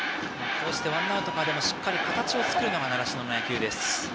ワンアウトからしっかりと形を作るのが習志野の野球です。